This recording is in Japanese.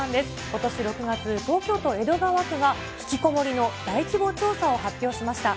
ことし６月、東京都江戸川区が、ひきこもりの大規模調査を発表しました。